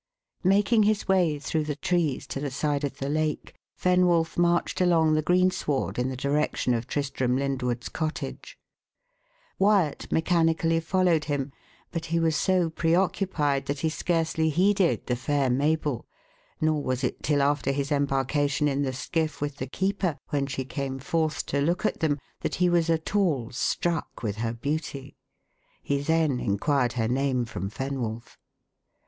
Making his way through the trees to the side of the lake, Fenwolf marched along the greensward in the direction of Tristram Lyndwood's cottage. Wyat mechanically followed him; but he was so pre occupied that he scarcely heeded the fair Mabel, nor was it till after his embarkation in the skiff with the keeper, when she came forth to look at them, that he was at all struck with her beauty. He then inquired her name from Fenwolf.